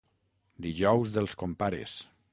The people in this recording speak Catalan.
Dijous dels compares.